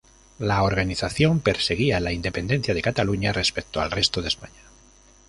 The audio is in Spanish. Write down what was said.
La organización perseguía la independencia de Cataluña respecto al resto de España.